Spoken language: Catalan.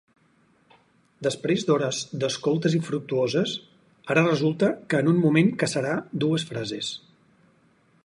Després d'hores d'escoltes infructuoses, ara resulta que en un moment caçarà dues frases.